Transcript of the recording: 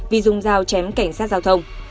vì dùng dao chém cảnh sát giao thông